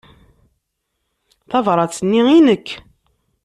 Tabṛat-nni i nekk.